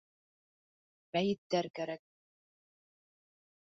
Мәйеттәр кәрәк.